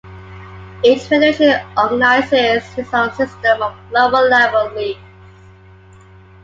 Each federation organizes its own system of lower-level leagues.